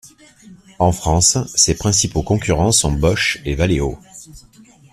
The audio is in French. En France, ses principaux concurrents sont Bosch et Valeo.